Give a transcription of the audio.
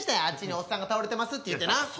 「あっちにおっさんが倒れてます」って言うてな。